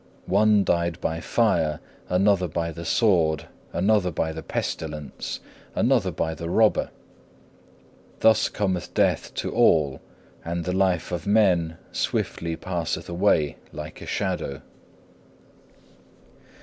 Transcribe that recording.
One died by fire, another by the sword, another by the pestilence, another by the robber. Thus cometh death to all, and the life of men swiftly passeth away like a shadow.